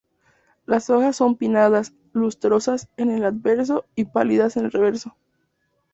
Las hojas son pinnadas, lustrosas en el anverso y pálidas en el reverso.